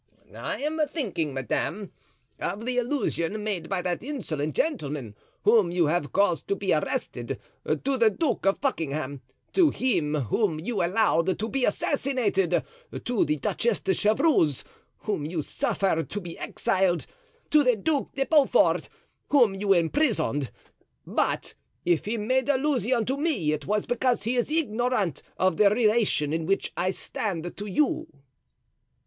"I am thinking, madame, of the allusion made by that insolent gentleman, whom you have caused to be arrested, to the Duke of Buckingham—to him whom you allowed to be assassinated—to the Duchess de Chevreuse, whom you suffered to be exiled—to the Duc de Beaufort, whom you imprisoned; but if he made allusion to me it was because he is ignorant of the relation in which I stand to you."